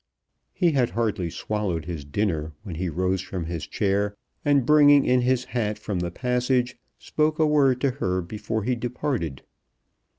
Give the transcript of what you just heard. He had hardly swallowed his dinner when he rose from his chair, and, bringing in his hat from the passage, spoke a word to her before he departed.